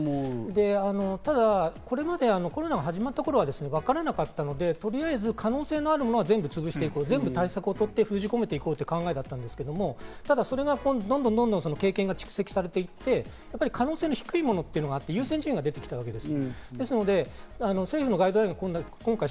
ただこれまでコロナが始まった頃はわからなかったので、とりあえず可能性のあるものは全部潰して行こうと、対策をとって、封じ込めようという考えだったんですけど、それがどんどん経験が蓄積されていって、可能性の低いものというのがあって、優先順位が出てきたわけです。